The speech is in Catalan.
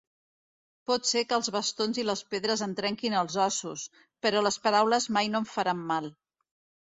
Pot ser que els bastons i les pedres em trenquin els ossos, però les paraules mai no em faran mal.